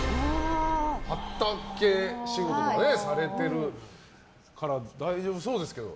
畑仕事とかされてるから大丈夫そうですけど。